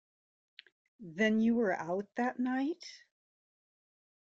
Then you were out that night?